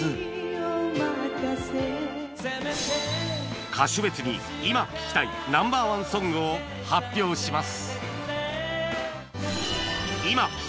今回歌手別に今聴きたい Ｎｏ．１ ソングを発表します